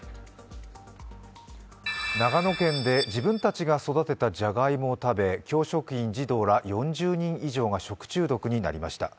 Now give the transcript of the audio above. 長野県で自分たちが育てたじゃがいもを食べ教職員、児童ら４０人以上が食中毒になりました。